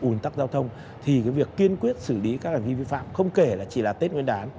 ủn tắc giao thông thì cái việc kiên quyết xử lý các hành vi vi phạm không kể là chỉ là tết nguyên đán